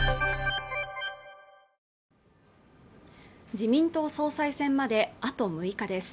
自民党総裁選まであと６日です